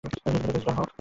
নিজের লোকেদের লিডার হও।